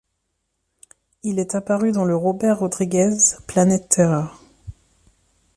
Il est apparu dans le Robert Rodriguez, Planet Terror.